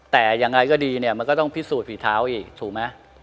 แต่ยังไงก็ดีเนี่ยมันก็ต้องพิสูจนฝีเท้าอีกถูกไหม